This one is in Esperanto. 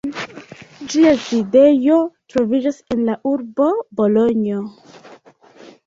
Ĝia sidejo troviĝas en la urbo Bolonjo.